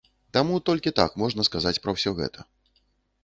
Таму толькі так можна сказаць пра ўсё гэта.